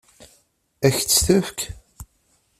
Ad k-tt-tefk?